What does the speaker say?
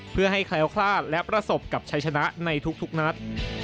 เพื่อให้แคล้วคลาดและประสบกับชัยชนะในทุกนัด